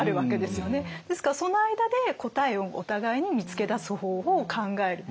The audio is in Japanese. ですからその間で答えをお互いに見つけ出す方法を考える。